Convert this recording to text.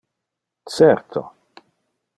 Certo!